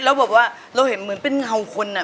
แล้วแบบว่าเราเห็นเหมือนเป็นเงาคนอ่ะ